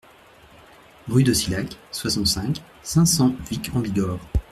Rue de Silhac, soixante-cinq, cinq cents Vic-en-Bigorre